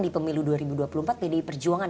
di pemilu dua ribu dua puluh empat pdi perjuangan